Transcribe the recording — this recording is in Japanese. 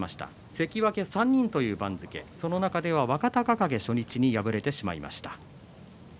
関脇３人という番付でその中では若隆景初日に敗れてしまいました。